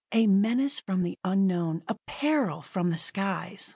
A menace from the unknown a peril from the skies!